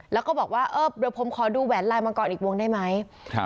แล้วก็บอกว่าเออเดี๋ยวผมขอดูแหวนลายมังกรอีกวงได้ไหม